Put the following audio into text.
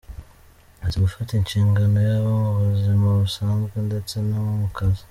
Azi gufata inshingano yaba mu buzima busanzwe ndetse no mu kazi.